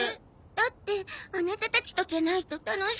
だってアナタたちとじゃないと楽しくないの。